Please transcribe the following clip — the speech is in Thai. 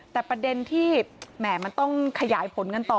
แต่ประเด็นที่แหม่มันต้องขยายผลกันต่อ